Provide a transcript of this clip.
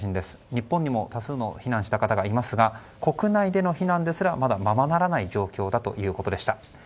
日本にも多数、避難した方がいますが国内での避難ですらまだ、ままならない状況だということでした。